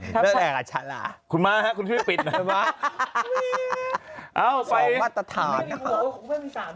จะจัดอย่างคุณพูดเพราะไงขาว